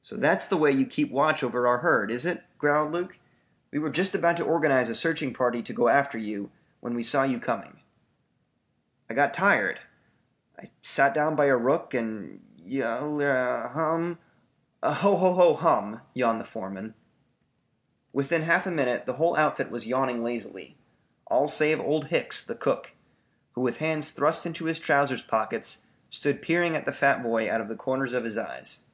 "So that's the way you keep watch over our herd is it?" growled Luke. "We were just about to organize a searching party to go after you, when we saw you coming." "I got tired. I sat down by a rook and y a li hum " "Ho ho ho hum," yawned the foreman. Within half a minute the whole outfit was yawning lazily, all save Old Hicks, the cook, who with hands thrust into his trousers pockets stood peering at the fat boy out of the corners of his eyes.